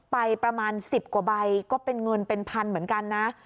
ไปประมาณ๑๐กว่าใบก็เป็นเงินเป็นพันเหมือนกันนะ